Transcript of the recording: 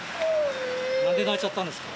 なんで泣いちゃったんですか？